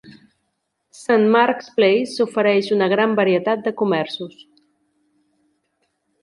Saint Mark's Place ofereix una gran varietat de comerços.